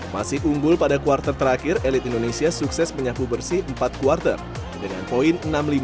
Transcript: masih unggul pada kuartal terakhir elit indonesia sukses menyapu bersih empat kuartal dengan poin enam lima